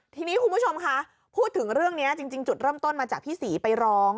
ทีนี้คุณผู้ชมคะพูดถึงเรื่องนี้จริงจุดเริ่มต้นมาจากพี่ศรีไปร้อง